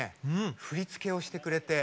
振り付けをしてくれて。